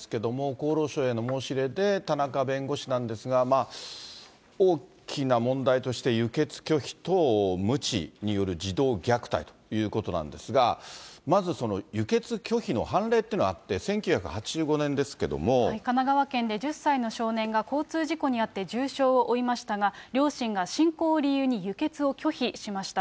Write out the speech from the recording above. このエホバの証人なんですけれども、厚労省への申し入れで、田中弁護士なんですが、大きな問題として輸血拒否とむちによる児童虐待ということなんですが、まずその輸血拒否の判例というのが神奈川県で１０歳の少年が交通事故に遭って重傷を負いましたが、両親が信仰を理由に輸血を拒否しました。